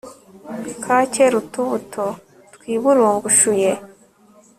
kakera utubuto twiburungushuye